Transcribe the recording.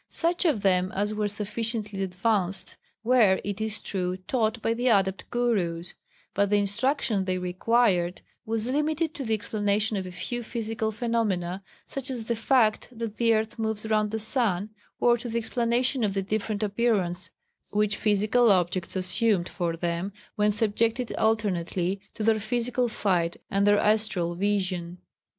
Such of them as were sufficiently advanced were, it is true, taught by the Adept Gurus, but the instruction they required was limited to the explanation of a few physical phenomena, such as the fact that the earth moves round the sun, or to the explanation of the different appearance which physical objects assumed for them when subjected alternately to their physical sight and their astral vision.